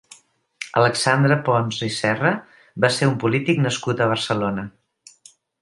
Alexandre Pons i Serra va ser un polític nascut a Barcelona.